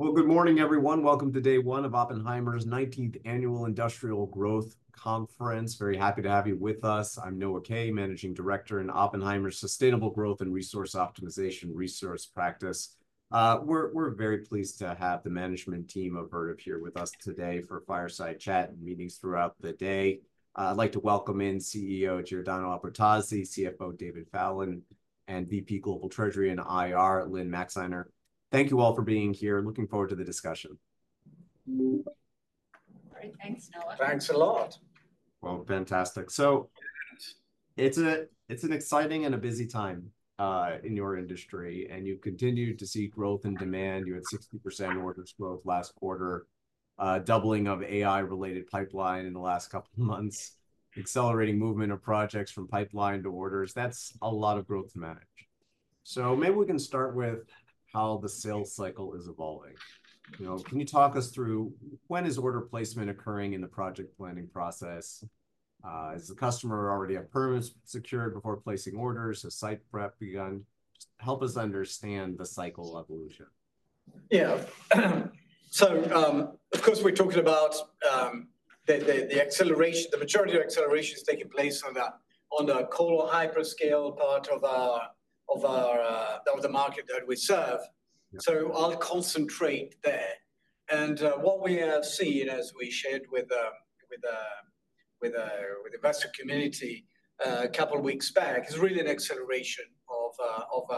Well, good morning, everyone. Welcome to day one of Oppenheimer's Nineteenth Annual Industrial Growth Conference. Very happy to have you with us. I'm Noah Kaye, Managing Director in Oppenheimer's Sustainable Growth and Resource Optimization Resource Practice. We're very pleased to have the management team of Vertiv here with us today for a fireside chat and meetings throughout the day. I'd like to welcome in CEO, Giordano Albertazzi, CFO, David Fallon, and VP Global Treasury and IR, Lynne Maxeiner. Thank you all for being here, and looking forward to the discussion. All right. Thanks, Noah. Thanks a lot. Well, fantastic. So it's an exciting and a busy time in your industry, and you've continued to see growth and demand. You had 60% orders growth last quarter, doubling of AI-related pipeline in the last couple of months, accelerating movement of projects from pipeline to orders. That's a lot of growth to manage. So maybe we can start with how the sales cycle is evolving. You know, can you talk us through when order placement is occurring in the project planning process? Is the customer already approved, secured before placing orders? Has site prep begun? Help us understand the cycle evolution. Yeah. So, of course, we're talking about the acceleration, the majority of acceleration is taking place on the colo hyperscale part of our market that we serve. So I'll concentrate there. And what we have seen, as we shared with the investor community a couple of weeks back, is really an acceleration of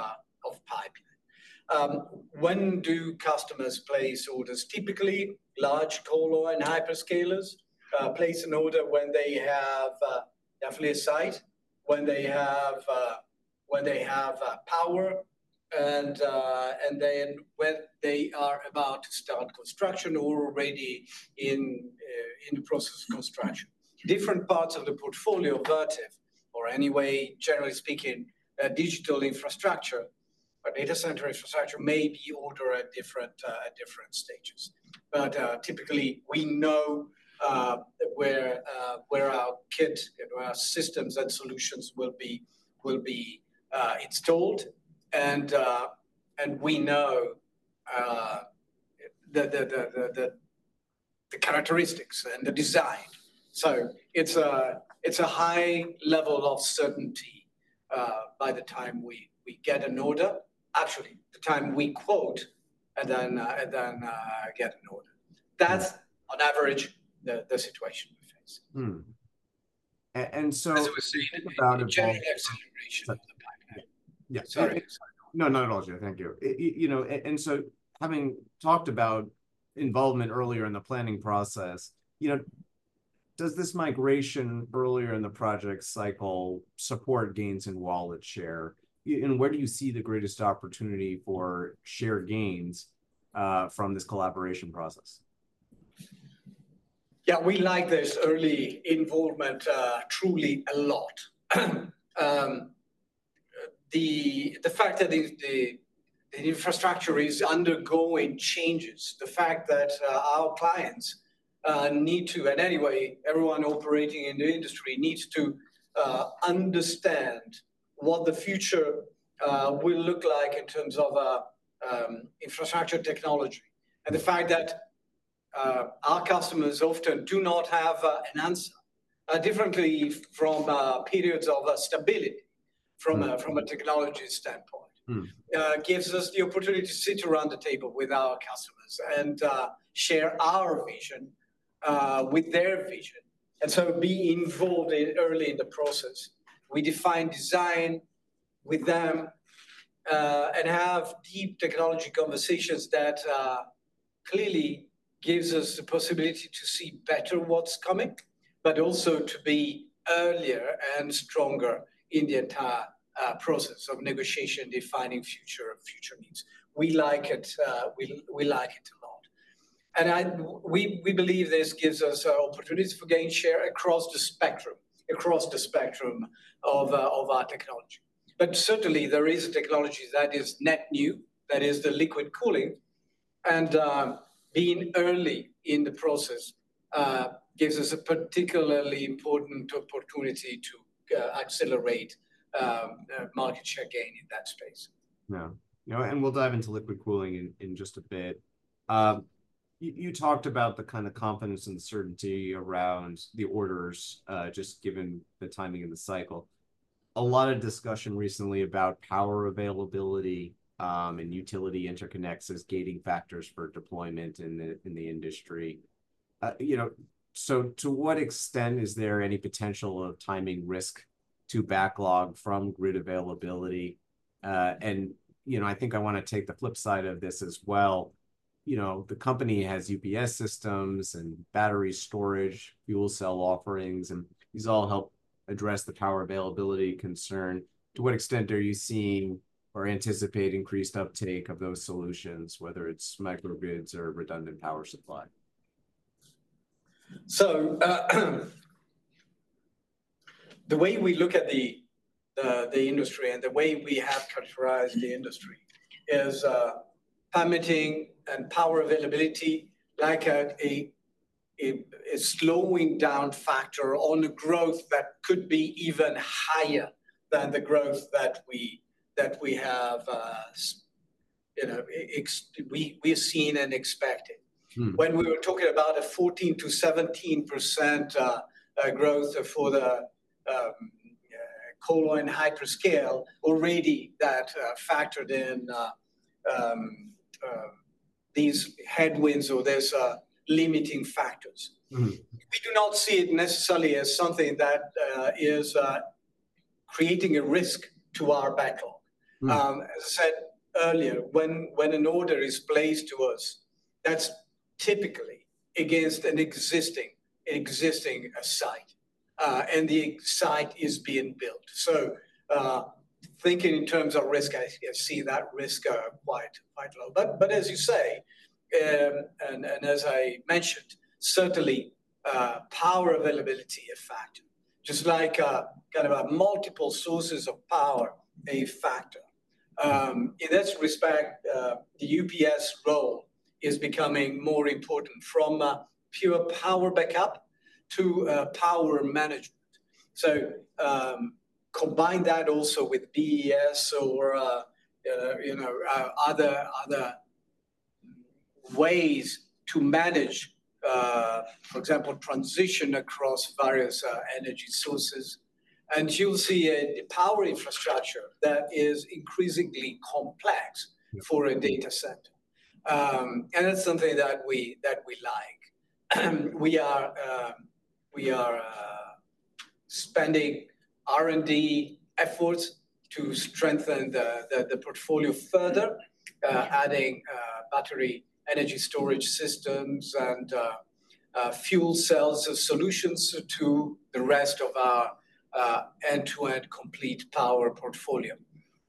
pipeline. When do customers place orders? Typically, large colo and hyperscalers place an order when they have definitely a site, when they have power, and then when they are about to start construction or already in the process of construction. Different parts of the portfolio, Vertiv, or anyway, generally speaking, digital infrastructure or data center infrastructure, may be order at different stages. But typically, we know where our kit and our systems and solutions will be installed, and we know the characteristics and the design. So it's a high level of certainty by the time we get an order. Actually, the time we quote and then get an order. That's on average the situation we face. Mm-hmm. As I was saying, in general, the acceleration of the pipeline. Yeah. Sorry. No, not at all, Giordano. Thank you. You know, and so having talked about involvement earlier in the planning process, you know, does this migration earlier in the project cycle support gains in wallet share? And where do you see the greatest opportunity for shared gains from this collaboration process? Yeah, we like this early involvement truly a lot. The fact that the infrastructure is undergoing changes, the fact that our clients need to, and anyway, everyone operating in the industry needs to understand what the future will look like in terms of infrastructure technology. And the fact that our customers often do not have an answer differently from periods of stability- Mm-hmm... from a technology standpoint- Mm... gives us the opportunity to sit around the table with our customers and share our vision with their vision, and so be involved early in the process. We define design with them and have deep technology conversations that clearly gives us the possibility to see better what's coming, but also to be earlier and stronger in the entire process of negotiation, defining future needs. We like it, we like it a lot. We believe this gives us opportunities for gain share across the spectrum of our technology. But certainly, there is a technology that is net new, that is the liquid cooling, and being early in the process gives us a particularly important opportunity to accelerate market share gain in that space. Yeah. You know, and we'll dive into liquid cooling in just a bit. You talked about the kind of confidence and certainty around the orders just given the timing of the cycle. A lot of discussion recently about power availability and utility interconnects as gating factors for deployment in the industry. You know, so to what extent is there any potential of timing risk to backlog from grid availability? And you know, I think I wanna take the flip side of this as well. You know, the company has UPS systems and battery storage, fuel cell offerings, and these all help address the power availability concern. To what extent are you seeing or anticipate increased uptake of those solutions, whether it's microgrids or redundant power supply? So, the way we look at the industry and the way we have characterized the industry is permitting and power availability, like, a slowing down factor on the growth that could be even higher than the growth that we have, you know, we've seen and expected. Mm. When we were talking about a 14%-17% growth for the colo and hyperscale, already that factored in these headwinds or these limiting factors. Mm-hmm. We do not see it necessarily as something that is creating a risk to our backlog. Mm. As I said earlier, when an order is placed to us, that's typically against an existing site, and the site is being built. So, thinking in terms of risk, I see that risk quite low. But as you say, and as I mentioned, certainly, power availability a factor, just like kind of a multiple sources of power, a factor. In this respect, the UPS role is becoming more important, from pure power backup to power management. Combine that also with BESS or, you know, other ways to manage, for example, transition across various energy sources, and you'll see a power infrastructure that is increasingly complex- Mm... for a data center. And that's something that we like. We are spending R&D efforts to strengthen the portfolio further, adding battery energy storage systems and fuel cells solutions to the rest of our end-to-end complete power portfolio.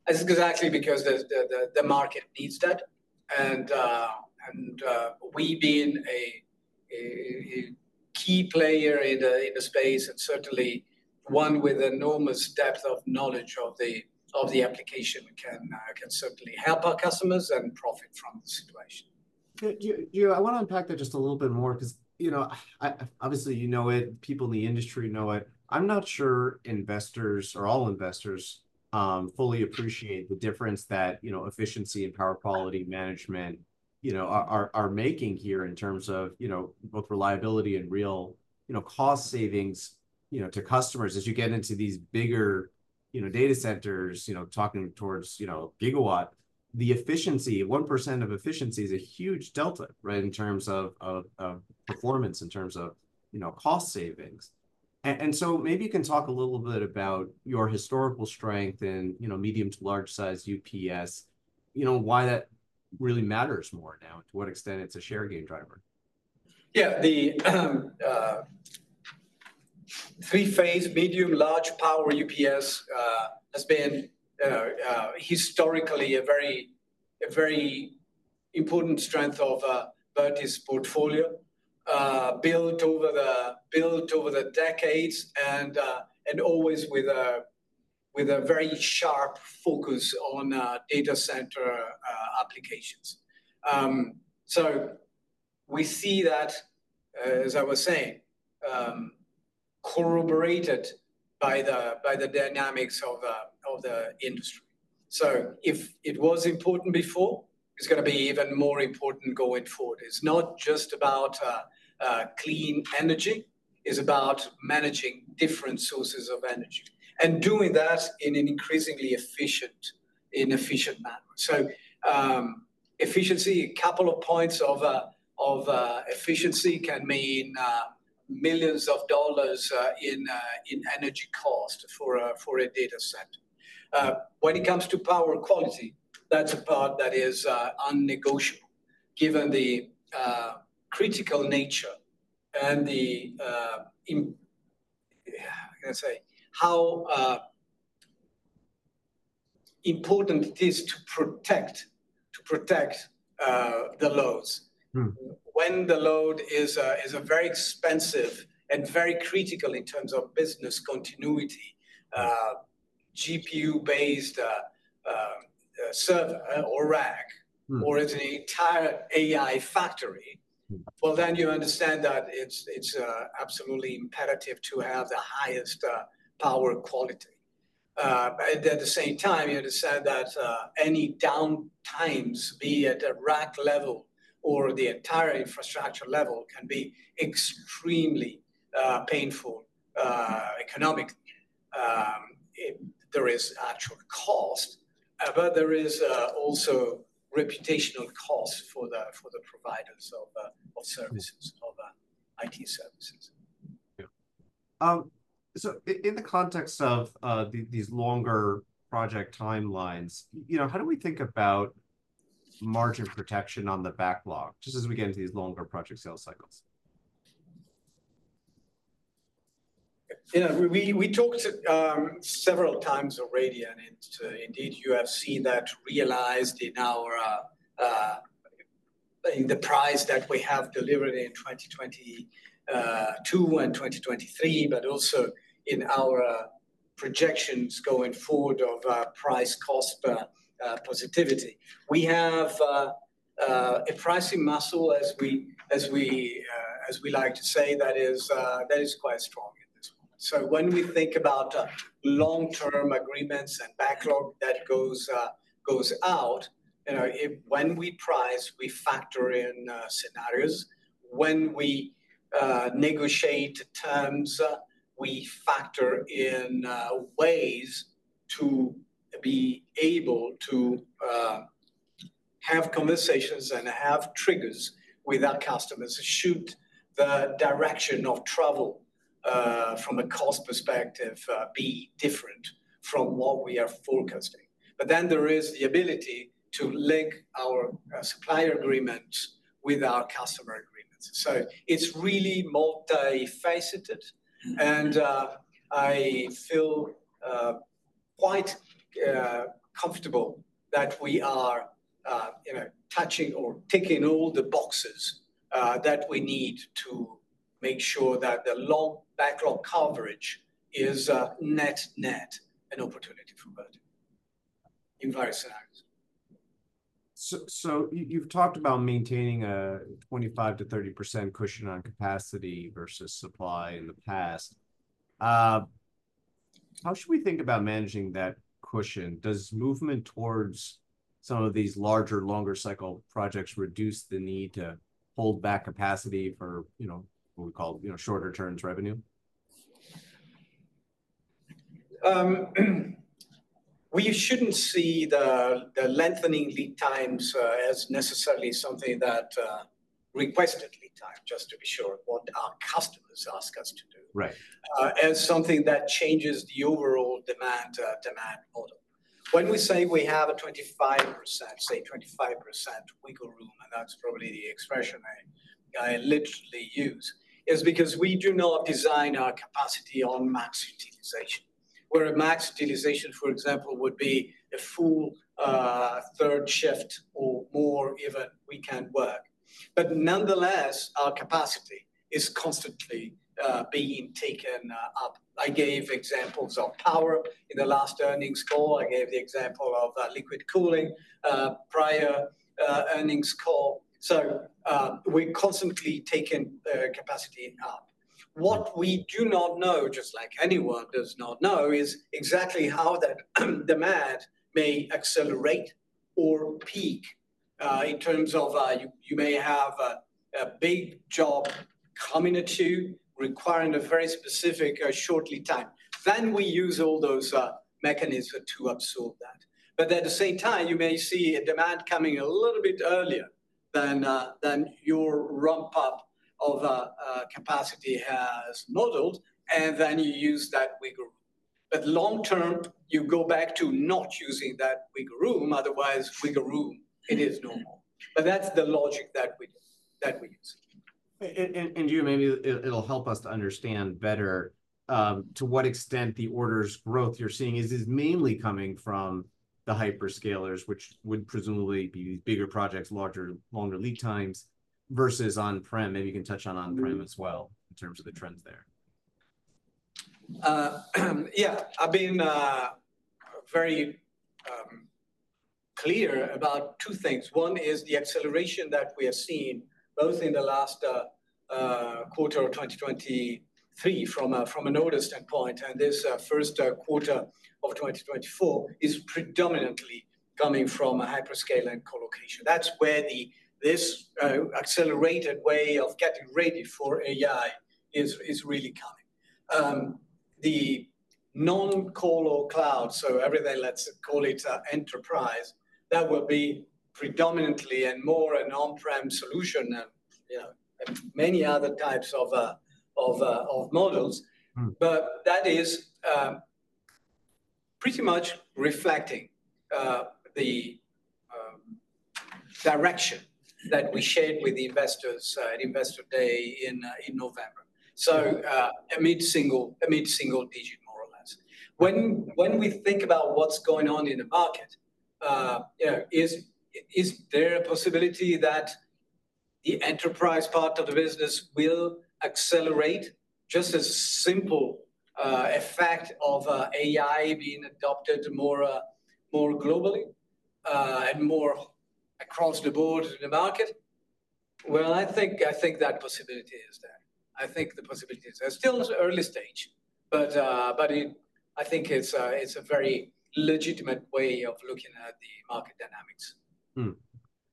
That's exactly because the market needs that, and we, being a key player in the space, and certainly one with enormous depth of knowledge of the application, can certainly help our customers and profit from the situation. Gio, I want to unpack that just a little bit more, because, you know, I, obviously, you know it, people in the industry know it. I'm not sure investors or all investors fully appreciate the difference that, you know, efficiency and power quality management, you know, are making here in terms of, you know, both reliability and real, you know, cost savings, you know, to customers. As you get into these bigger, you know, data centers, you know, talking towards, you know, gigawatt, the efficiency, 1% of efficiency is a huge delta, right? In terms of, of performance, in terms of, you know, cost savings. And so maybe you can talk a little bit about your historical strength and, you know, medium to large size UPS, you know, why that really matters more now, to what extent it's a share gain driver. Yeah, the three-phase, medium, large power UPS has been historically a very important strength of Vertiv's portfolio, built over the decades and always with a very sharp focus on data center applications. So we see that, as I was saying, corroborated by the dynamics of the industry. So if it was important before, it's gonna be even more important going forward. It's not just about clean energy, it's about managing different sources of energy, and doing that in an increasingly efficient manner. So, efficiency, a couple of points of efficiency can mean $ millions in energy cost for a data center. When it comes to power quality, that's a part that is non-negotiable, given the critical nature and the, I can say, how important it is to protect, to protect the loads. Mm. When the load is very expensive and very critical in terms of business continuity, GPU-based server or rack- Mm... or as an entire AI Factory- Mm... well, then you understand that it's absolutely imperative to have the highest power quality. At the same time, you understand that any down times, be it at rack level or the entire infrastructure level, can be extremely painful economically. There is actual cost, but there is also reputational cost for the providers of services- Mm... of, IT services. Yeah. So in the context of these longer project timelines, you know, how do we think about margin protection on the backlog, just as we get into these longer project sales cycles? Yeah, we, we talked several times already, and indeed, you have seen that realized in our, in the price that we have delivered in 2022 and 2023, but also in our projections going forward of price cost positivity. We have a pricing muscle as we like to say, that is quite strong at this moment. So when we think about long-term agreements and backlog that goes out, you know, when we price, we factor in scenarios. When we negotiate terms, we factor in ways to be able to have conversations and have triggers with our customers to shoot the direction of travel from a cost perspective be different from what we are forecasting. But then there is the ability to link our supplier agreements with our customer agreements. So it's really multifaceted. And I feel quite comfortable that we are, you know, touching or ticking all the boxes that we need to make sure that the long backlog coverage is net-net an opportunity for value in various areas. So, you've talked about maintaining a 25%-30% cushion on capacity versus supply in the past. How should we think about managing that cushion? Does movement towards some of these larger, longer cycle projects reduce the need to hold back capacity for, you know, what we call, you know, shorter turns revenue? We shouldn't see the, the lengthening lead times, as necessarily something that, requested lead time, just to be sure what our customers ask us to do- Right... as something that changes the overall demand, demand model. When we say we have a 25%, say, 25% wiggle room, and that's probably the expression I, I literally use, is because we do not design our capacity on max utilization. Where a max utilization, for example, would be a full, third shift or more, if we can work. But nonetheless, our capacity is constantly, being taken, up. I gave examples of power in the last earnings call. I gave the example of, liquid cooling, prior, earnings call. So, we're constantly taking the capacity up. What we do not know, just like anyone does not know, is exactly how that demand may accelerate or peak, in terms of, you, you may have a, a big job coming to you, requiring a very specific, shortly time. Then we use all those mechanisms to absorb that. But at the same time, you may see a demand coming a little bit earlier than your ramp up of capacity has modeled, and then you use that wiggle room. But long term, you go back to not using that wiggle room, otherwise, wiggle room, it is no more. But that's the logic that we use. Maybe it'll help us to understand better, to what extent the orders growth you're seeing is mainly coming from the hyperscalers, which would presumably be bigger projects, larger, longer lead times, versus on-prem? Maybe you can touch on on-prem as well in terms of the trends there. Yeah. I've been very clear about two things. One is the acceleration that we have seen, both in the last quarter of 2023 from an order standpoint, and this first quarter of 2024, is predominantly coming from a hyperscale and colocation. That's where this accelerated way of getting ready for AI is really coming. The non-core or cloud, so everything, let's call it, enterprise, that will be predominantly and more an on-prem solution and, you know, and many other types of models. Mm. But that is pretty much reflecting the direction that we shared with the investors at Investor Day in November. So, a mid-single, a mid-single digit, more or less. When we think about what's going on in the market, you know, is there a possibility that the enterprise part of the business will accelerate just as simple effect of AI being adopted more more globally and more across the board in the market? Well, I think, I think that possibility is there. I think the possibility is there. Still it's early stage, but, but it. I think it's a, it's a very legitimate way of looking at the market dynamics.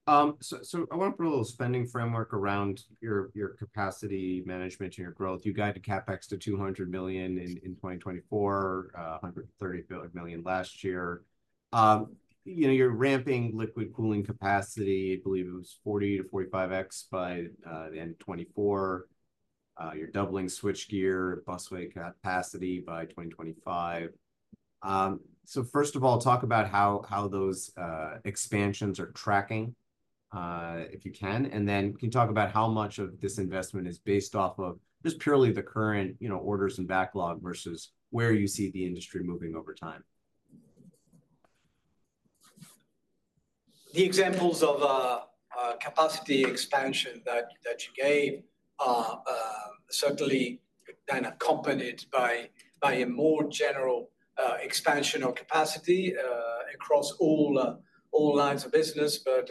I want to put a little spending framework around your capacity management and your growth. You guided CapEx to $200 million in 2024, $130 million last year. You know, you're ramping liquid cooling capacity, I believe it was 40-45x by the end of 2024. You're doubling switchgear busway capacity by 2025. First of all, talk about how those expansions are tracking, if you can, and then can you talk about how much of this investment is based off of just purely the current, you know, orders and backlog versus where you see the industry moving over time?... The examples of capacity expansion that you gave are certainly then accompanied by a more general expansion of capacity across all lines of business. But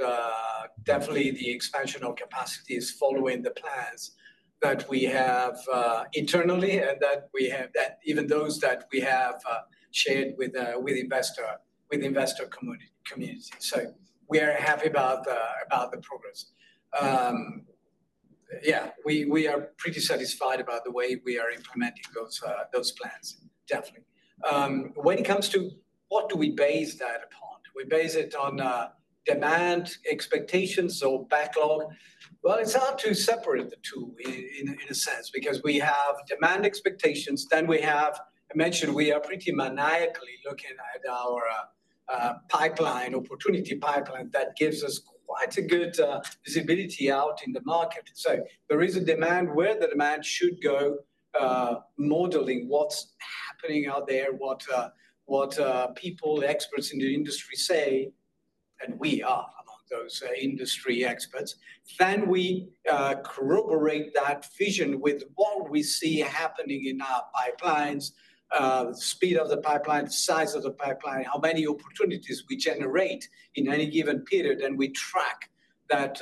definitely the expansion of capacity is following the plans that we have internally, and that we have-- that even those that we have shared with investor community. So we are happy about the progress. Yeah, we are pretty satisfied about the way we are implementing those plans, definitely. When it comes to what do we base that upon? We base it on demand, expectations or backlog. Well, it's hard to separate the two in a sense, because we have demand expectations, then we have-- I mentioned we are pretty maniacally looking at our pipeline, opportunity pipeline. That gives us quite a good visibility out in the market. So there is a demand, where the demand should go, modeling what's happening out there, what people, experts in the industry say, and we are among those industry experts. Then we corroborate that vision with what we see happening in our pipelines, speed of the pipeline, the size of the pipeline, how many opportunities we generate in any given period, and we track that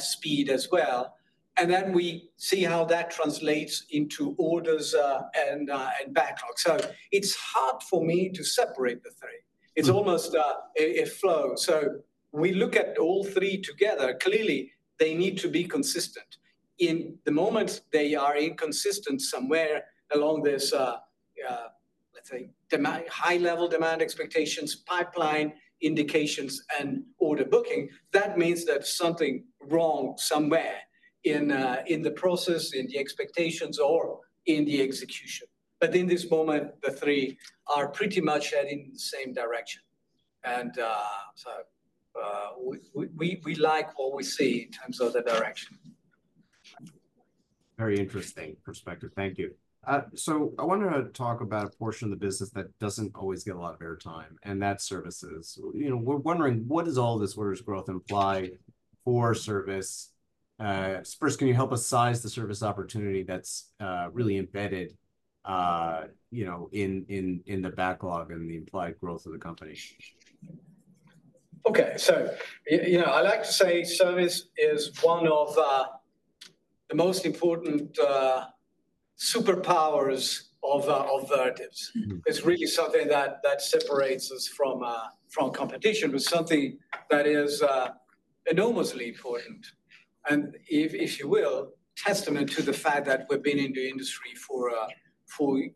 speed as well, and then we see how that translates into orders, and backlog. So it's hard for me to separate the three. Mm. It's almost a flow. So we look at all three together. Clearly, they need to be consistent. In the moment, they are inconsistent somewhere along this, let's say, demand, high-level demand expectations, pipeline indications, and order booking. That means there's something wrong somewhere in the process, in the expectations or in the execution. But in this moment, the three are pretty much heading in the same direction. And we like what we see in terms of the direction. Very interesting perspective. Thank you. So I wanted to talk about a portion of the business that doesn't always get a lot of airtime, and that's services. You know, we're wondering, what does all this orders growth imply for service? First, can you help us size the service opportunity that's really embedded, you know, in the backlog and the implied growth of the company? Okay. So you know, I like to say service is one of the most important superpowers of Vertiv. Mm-hmm. It's really something that separates us from competition, but something that is enormously important, and if you will, testament to the fact that we've been in the industry for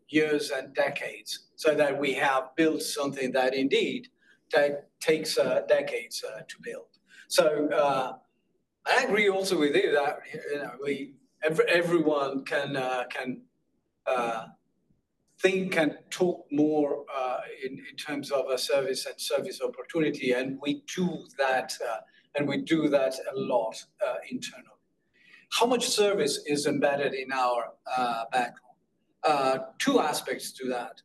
years and decades, so that we have built something that indeed that takes decades to build. So, I agree also with you that, you know, we-- everyone can think and talk more in terms of a service and service opportunity, and we do that, and we do that a lot internally. How much service is embedded in our backlog? Two aspects to that.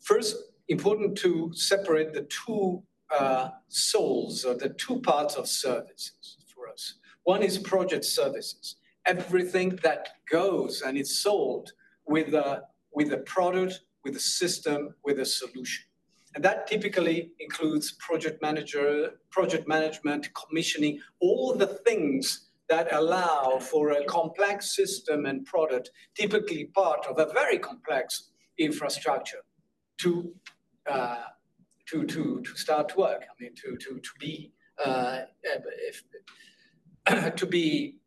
First, important to separate the two souls or the two parts of services for us. One is project services. Everything that goes and is sold with a product, with a system, with a solution, and that typically includes project manager, project management, commissioning, all the things that allow for a complex system and product, typically part of a very complex infrastructure, to start work, I mean, to be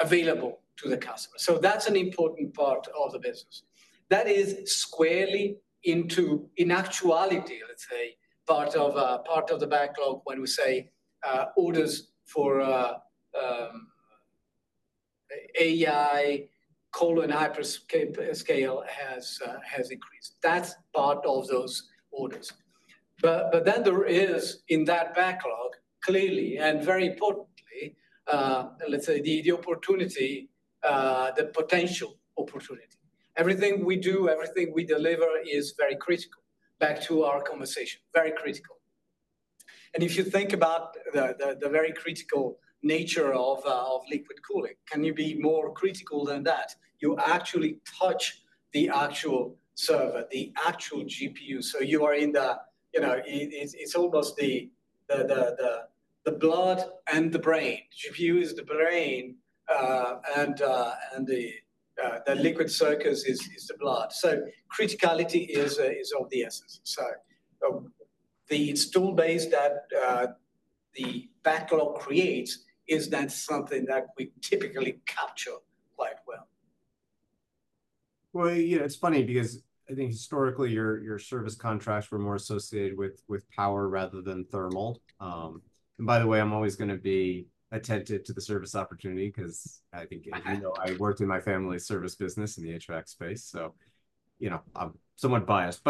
available to the customer. So that's an important part of the business. That is squarely into, in actuality, let's say, part of the backlog when we say orders for AI hyperscale has increased. That's part of those orders. But then there is, in that backlog, clearly and very importantly, let's say the opportunity, the potential opportunity. Everything we do, everything we deliver is very critical. Back to our conversation, very critical. If you think about the very critical nature of liquid cooling, can you be more critical than that? You actually touch the actual server, the actual GPU. So you are in the... You know, it's almost the blood and the brain. GPU is the brain, and the liquid circuit is the blood. So criticality is of the essence. So, the installed base that the backlog creates, is that something that we typically capture quite well? Well, you know, it's funny because I think historically, your, your service contracts were more associated with, with power rather than thermal. And by the way, I'm always gonna be attentive to the service opportunity 'cause I think- Uh-huh... I know I worked in my family service business in the HVAC space, so, you know, I'm somewhat biased.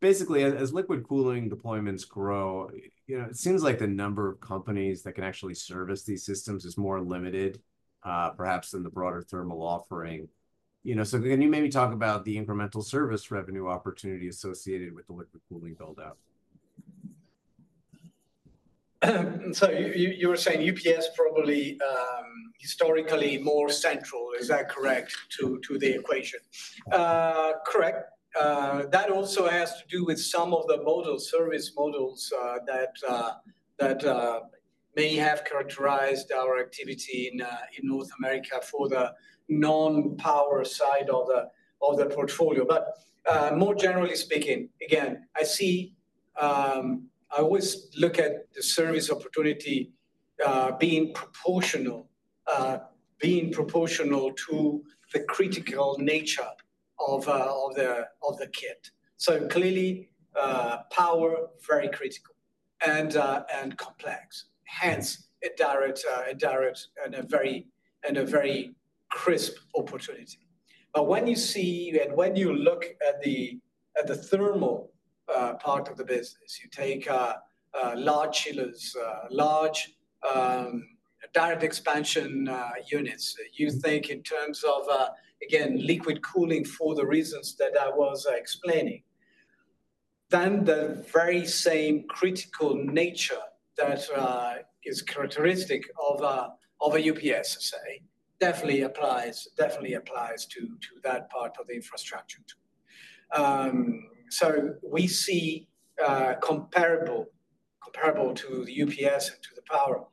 But basically, as liquid cooling deployments grow, you know, it seems like the number of companies that can actually service these systems is more limited, perhaps than the broader thermal offering. You know, so can you maybe talk about the incremental service revenue opportunity associated with the liquid cooling build-out? So you were saying UPS probably historically more central, is that correct, to the equation? Correct. That also has to do with some of the model, service models, that may have characterized our activity in North America for the non-power side of the portfolio. But more generally speaking, again, I see—I always look at the service opportunity being proportional to the critical nature of the kit. So clearly power very critical and complex. Hence a direct and a very crisp opportunity. But when you see and when you look at the, at the thermal, part of the business, you take, large chillers, large, direct expansion, units, you think in terms of, again, liquid cooling for the reasons that I was explaining. Then the very same critical nature that, is characteristic of a, of a UPS, say, definitely applies, definitely applies to, to that part of the infrastructure too. So we see, comparable, comparable to the UPS and to the power,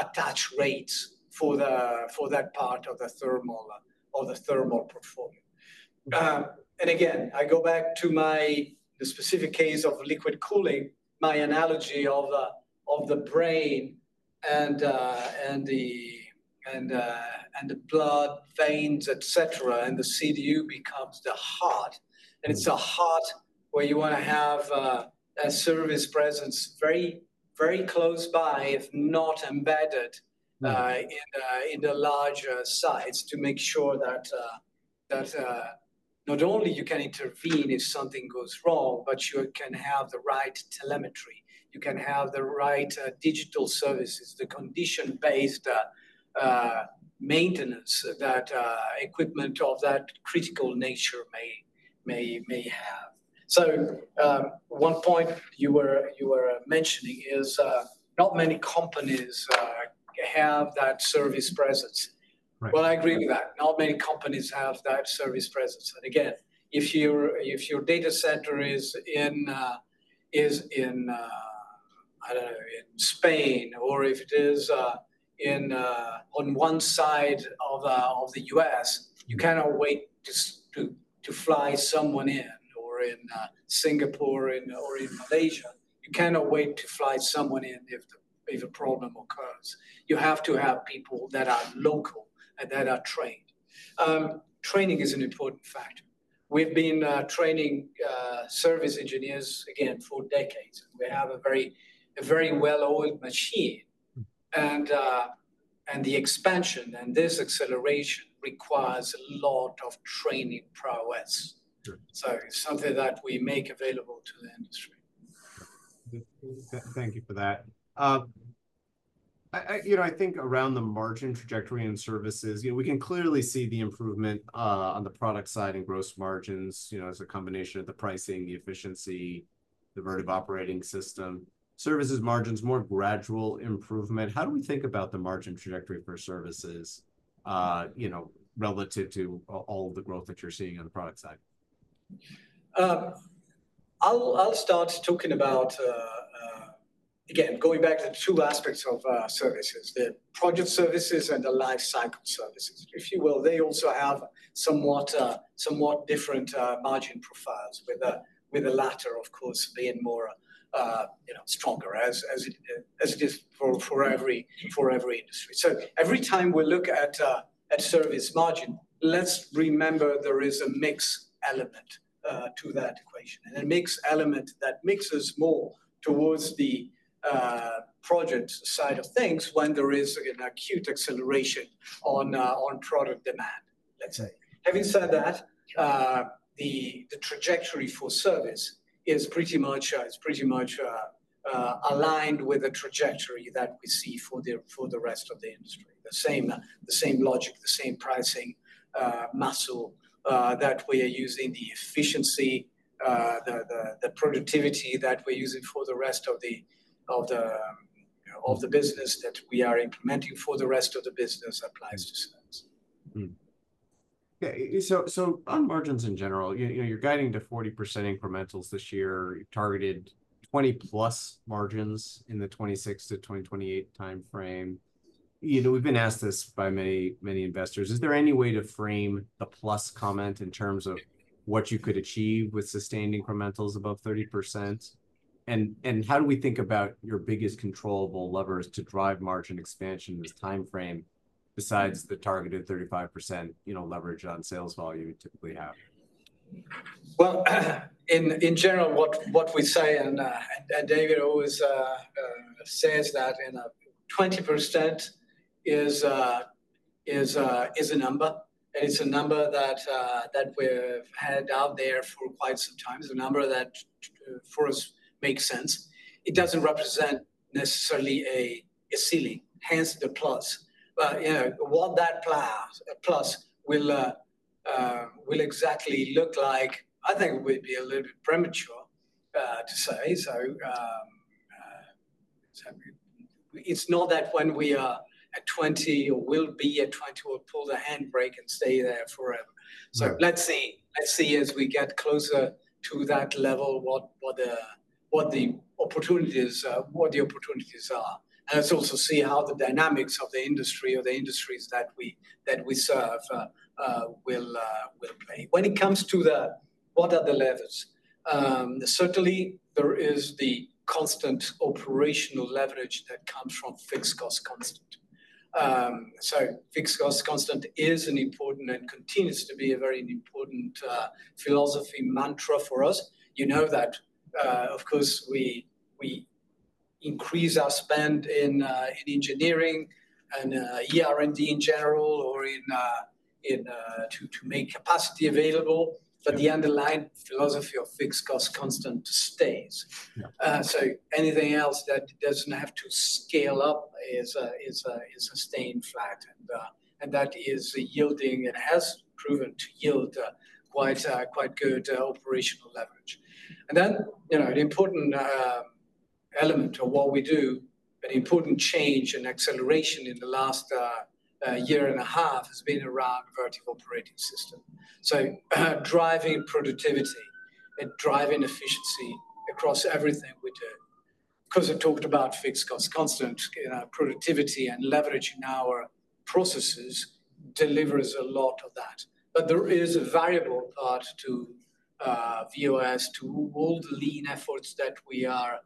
attached rates for the, for that part of the thermal, of the thermal portfolio. And again, I go back to my, the specific case of liquid cooling, my analogy of, of the brain and the blood veins, et cetera, and the CDU becomes the heart. And it's a heart where you want to have a service presence very, very close by, if not embedded, in the larger sites, to make sure that not only you can intervene if something goes wrong, but you can have the right telemetry, you can have the right digital services, the condition-based maintenance that equipment of that critical nature may have. So, one point you were mentioning is, not many companies have that service presence. Right. Well, I agree with that. Not many companies have that service presence. And again, if your data center is in, I don't know, in Spain, or if it is in on one side of the US, you cannot wait just to fly someone in, or in Singapore, or in Malaysia. You cannot wait to fly someone in if a problem occurs. You have to have people that are local and that are trained. Training is an important factor. We've been training service engineers, again, for decades. We have a very well-oiled machine, and the expansion and this acceleration requires a lot of training prowess. Sure. It's something that we make available to the industry. Thank you for that. You know, I think around the margin trajectory and services, you know, we can clearly see the improvement on the product side and gross margins, you know, as a combination of the pricing, the efficiency, the Vertiv Operating System. Services margins, more gradual improvement. How do we think about the margin trajectory for services, you know, relative to all the growth that you're seeing on the product side? I'll start talking about... Again, going back to the two aspects of services, the project services and the life cycle services. If you will, they also have somewhat different margin profiles, with the latter, of course, being more, you know, stronger as it is for every industry. So every time we look at service margin, let's remember there is a mix element to that equation, and a mix element that mixes more towards the project side of things when there is, again, acute acceleration on product demand, let's say. Having said that, the trajectory for service is pretty much aligned with the trajectory that we see for the rest of the industry. The same, the same logic, the same pricing, muscle, that we are using, the efficiency, the productivity that we're using for the rest of the business, that we are implementing for the rest of the business applies to service. Mm-hmm. Yeah, so, so on margins in general, you, you're guiding to 40% incrementals this year. You targeted 20+ margins in the 2026-2028 time frame. You know, we've been asked this by many, many investors: Is there any way to frame the plus comment in terms of what you could achieve with sustained incrementals above 30%? And, and how do we think about your biggest controllable levers to drive margin expansion in this time frame, besides the targeted 35%, you know, leverage on sales volume you typically have? Well, in general, what we say, and David always says that, and 20% is a number, and it's a number that we've had out there for quite some time, is a number that for us makes sense. It doesn't represent necessarily a ceiling, hence the plus. But, you know, what that plus plus will exactly look like, I think it would be a little bit premature to say. So, it's not that when we are at 20 or we'll be at 20, we'll pull the handbrake and stay there forever. Yeah. So let's see as we get closer to that level, what the opportunities are. And let's also see how the dynamics of the industry or the industries that we serve will play. When it comes to what are the levers? Certainly, there is the constant operational leverage that comes from fixed cost constant. So fixed cost constant is an important and continues to be a very important philosophy mantra for us. You know that, of course, we increase our spend in engineering and R&D in general to make capacity available. Yeah. But the underlying philosophy of fixed cost constant stays. Yeah. So anything else that doesn't have to scale up is sustained flat, and that is yielding and has proven to yield quite good operational leverage. And then, you know, an important element of what we do, an important change and acceleration in the last year and a half has been around Vertiv Operating System. So, driving productivity and driving efficiency across everything we do. Because I talked about fixed cost constant, productivity and leveraging our processes delivers a lot of that. But there is a variable part to VOS, to all the lean efforts that we are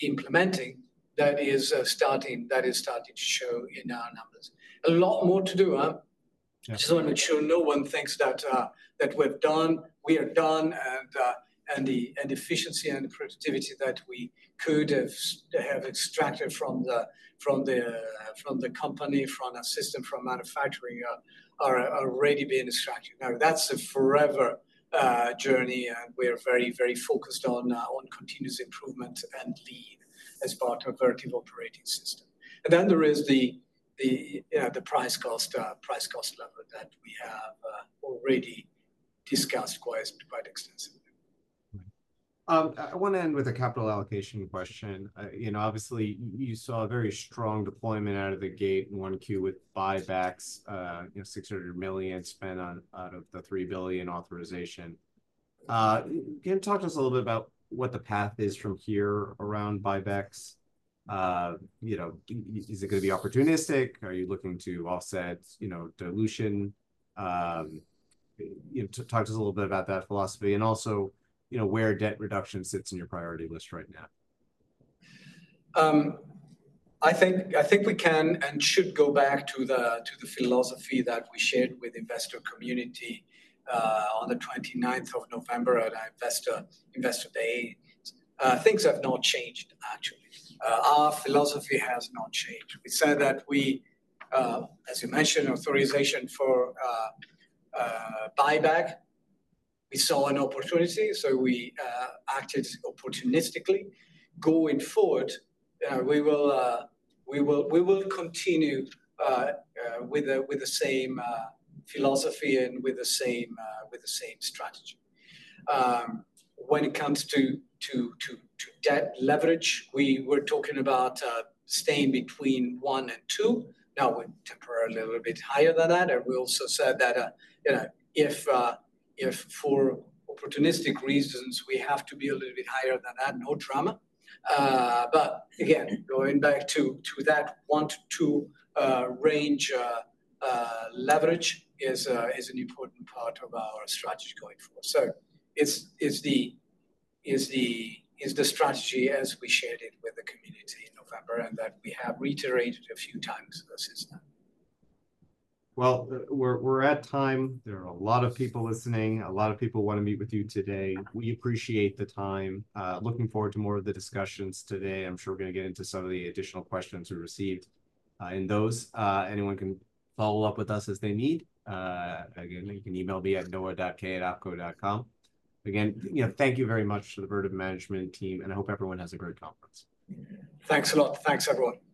implementing that is starting to show in our numbers. A lot more to do, huh? Yeah. Just want to make sure no one thinks that, that we're done, we are done, and, and the, and efficiency and the productivity that we could have, have extracted from the, from the, from the company, from our system, from manufacturing, are already being extracted. Now, that's a forever journey, and we're very, very focused on, on continuous improvement and lean as part of Vertiv Operating System. And then there is the price cost, price cost lever that we have, already discussed quite, quite extensively. I want to end with a capital allocation question. You know, obviously, you saw a very strong deployment out of the gate in 1Q with buybacks, you know, $600 million spent on out of the $3 billion authorization. Can you talk to us a little bit about what the path is from here around buybacks? You know, is it going to be opportunistic? Are you looking to offset, you know, dilution? You know, talk to us a little bit about that philosophy and also, you know, where debt reduction sits in your priority list right now. I think we can and should go back to the philosophy that we shared with investor community on the twenty-ninth of November at our Investor Day. Things have not changed, actually. Our philosophy has not changed. We said that we, as you mentioned, authorization for buyback, we saw an opportunity, so we acted opportunistically. Going forward, we will continue with the same philosophy and with the same strategy. When it comes to debt leverage, we were talking about staying between one and two. Now, we're temporarily a little bit higher than that, and we also said that, you know, if for opportunistic reasons, we have to be a little bit higher than that, no drama. But again, going back to that 1-2 range, leverage is an important part of our strategy going forward. So it's the strategy as we shared it with the community in November, and that we have reiterated a few times since then. Well, we're at time. There are a lot of people listening. A lot of people want to meet with you today. We appreciate the time. Looking forward to more of the discussions today. I'm sure we're going to get into some of the additional questions we received. And those, anyone can follow up with us as they need. Again, you can email me at noah.kaye@opco.com. Again, you know, thank you very much to the Vertiv management team, and I hope everyone has a great conference. Thanks a lot. Thanks, everyone.